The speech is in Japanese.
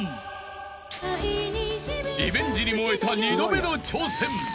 ［リベンジに燃えた２度目の挑戦］